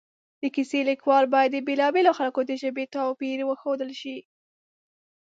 د کیسې لیکوال باید د بېلا بېلو خلکو د ژبې توپیر وښودلی شي